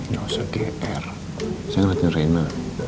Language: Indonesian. gak usah gr saya ngeliatin reina